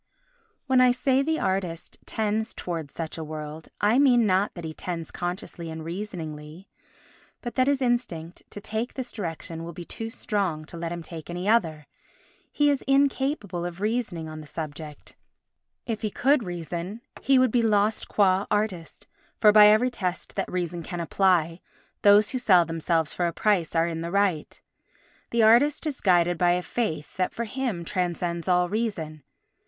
When I say the artist tends towards such a world, I mean not that he tends consciously and reasoningly but that his instinct to take this direction will be too strong to let him take any other. He is incapable of reasoning on the subject; if he could reason he would be lost qua artist; for, by every test that reason can apply, those who sell themselves for a price are in the right. The artist is guided by a faith that for him transcends all reason.